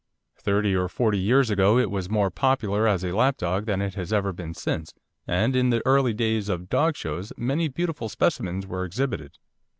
Thirty or forty years ago it was more popular as a lap dog than it has ever been since, and in the early days of dog shows many beautiful specimens were exhibited.